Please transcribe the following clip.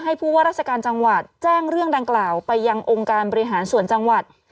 ผู้ว่าราชการจังหวัดแจ้งเรื่องดังกล่าวไปยังองค์การบริหารส่วนจังหวัด